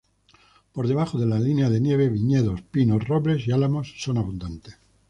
Por debajo de la línea de nieve viñedos, pinos, robles y álamos son abundantes.